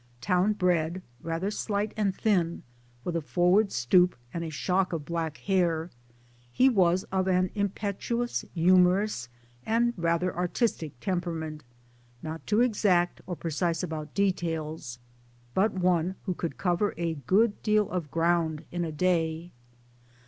Town bred, rather slight and thin, with a forward stoop and a shock of black hair, he was of an impetuous humorous and rather artistic temperament not too exact or precise about details, but one who could cover a good deal of ground in a day.